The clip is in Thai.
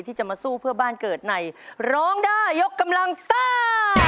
ที่จะมาสู้เพื่อบ้านเกิดในร้องได้ยกกำลังซ่า